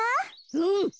うん。